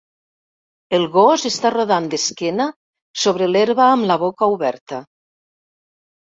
El gos està rodant d'esquena sobre l'herba amb la boca oberta.